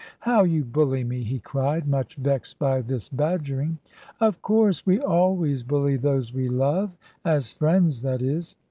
"How you bully me!" he cried, much vexed by this badgering. "Of course; we always bully those we love as friends, that is.